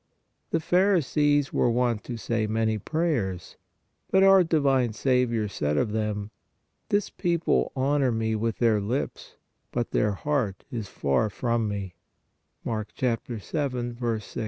The pharisees were wont to say many prayers, but our divine Saviour 152 PRAYER said of them :" This people honor Me with their lips, but their heart is far from Me " (Mark 7. 6).